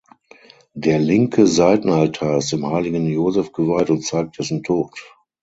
Der linke Seitenaltar ist dem heiligen Josef geweiht und zeigt dessen Tod.